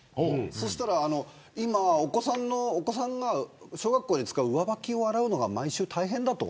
そしたら今、お子さんが小学校で使う上履きを洗うのが毎週大変だと。